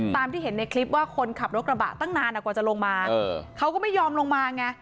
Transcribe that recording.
ที่เห็นในคลิปว่าคนขับรถกระบะตั้งนานกว่าจะลงมาเขาก็ไม่ยอมลงมาไง